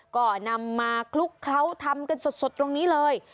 ก็นำมาคลุกเคล้าทำกันสดตรงนี้เลย